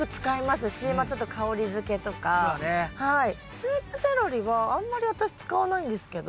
スープセロリはあんまり私使わないんですけど。